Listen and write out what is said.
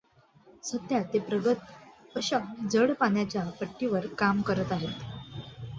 सध्या ते प्रगत अशा जड पाण्याच्या भट्टीवर काम करत आहेत.